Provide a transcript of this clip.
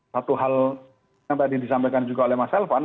satu hal yang tadi disampaikan juga oleh mas elvan